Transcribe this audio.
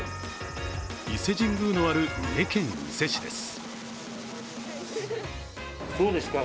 伊勢神宮のある三重県伊勢市です。